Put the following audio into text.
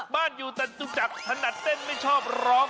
บ้านอยู่แต่จุจักรถนัดเต้นไม่ชอบร้อง